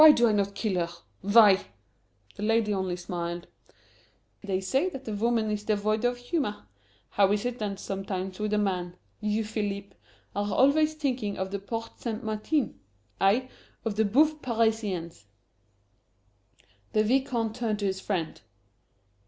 "Why do I not kill her why?" The lady only smiled. "They say that a woman is devoid of humour. How is it then sometimes with a man? You, Philippe, are always thinking of the Porte St. Martin I, of the Bouffes Parisiens." The Vicomte turned to his friend.